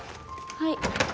はい。